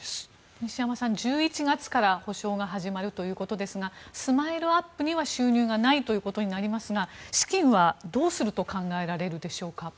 西山さん、１１月から補償が始まるということですがＳＭＩＬＥ−ＵＰ．には収入がないということになりますが資金はどうすると考えられるでしょうか。